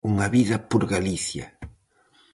Unha vida por Galicia.